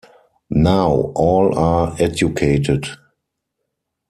Now all are educated.